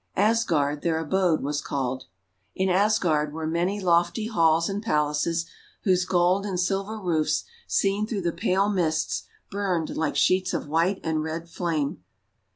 Asgard, their abode was called. In Asgard were many lofty halls and palaces, whose gold and silver roofs, seen through the pale mists, burned like sheets of white and red flame.